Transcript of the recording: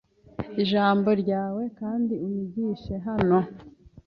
Ijambo ryawe kandi unyigishe hano